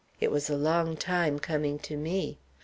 It was a long time coming to me.